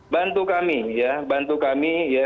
bantu kami ya bantu kami ya